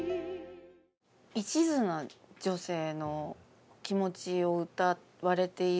一途な女性の気持ちを歌われているんだな。